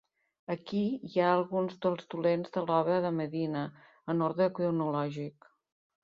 Aquí hi ha alguns dels dolents de l'obra de Medina, en ordre cronològic.